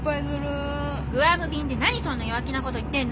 グアム便で何そんな弱気なこと言ってんの？